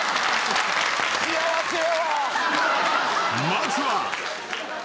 ［まずは］